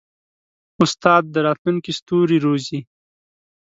استاد د راتلونکي ستوري روزي.